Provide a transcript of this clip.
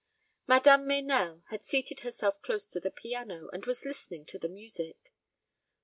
Madame Meynell had seated herself close to the piano, and was listening to the music.